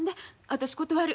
私断る。